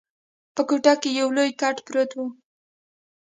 په کوټه کي یو لوی کټ پروت وو.